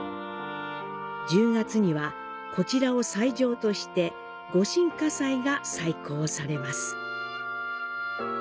１０月には、こちらを斎場として「御神火祭」が斎行されます。